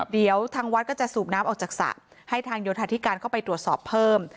เดี๋ยวทางวัดก็จะสูบน้ำออกจากสระให้ทางโยธาธิการเข้าไปตรวจสอบเพิ่ม